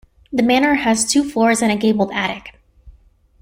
The manor has two floors and a gabled attic.